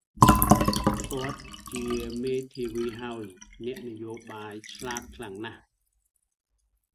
គាត់ជាមេធាវីហើយអ្នកនយោបាយឆ្លាតខ្លាំងណាស់។